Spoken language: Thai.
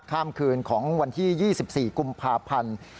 ข้ามคืนของวันที่๒๔กุมภาพันธ์